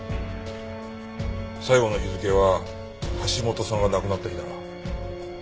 最後の日付は橋本さんが亡くなった日だな。